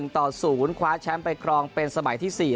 ต่อ๐คว้าแชมป์ไปครองเป็นสมัยที่๔